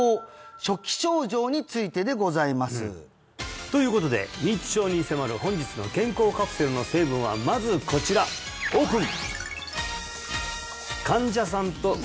・初期症状についてでございますということで認知症に迫る本日の健康カプセルの成分はまずこちらオープン！